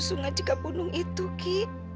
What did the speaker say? sungai cikapunung itu ki